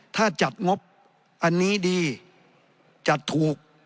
ถ้าจัดงบอันนี้ดีจัดถูก